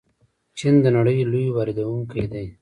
چین د نړۍ لوی واردونکی دی.